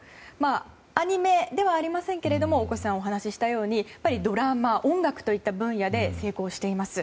アニメではありませんが大越さんがお話ししたようにドラマ、音楽といった分野で成功しています。